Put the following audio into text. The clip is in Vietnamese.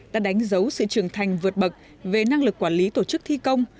đã đánh dấu sự trưởng thành vượt bậc về năng lực quản lý tổ chức thi công